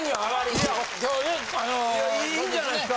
いやいいんじゃないですか。